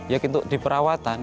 ya tentu di perawatan